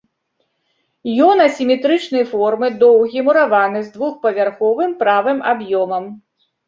Ён асіметрычнай формы, доўгі, мураваны, з двухпавярховым правым аб'ёмам.